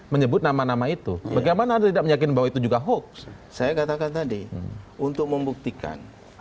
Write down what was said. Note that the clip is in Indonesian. menyebut nama nama itu bagaimana anda tidak meyakin bahwa itu juga hoax saya katakan tadi untuk membuktikan